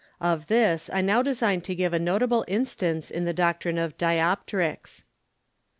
Of this I now design to give a notable Instance in the Doctrine of Dioptricks.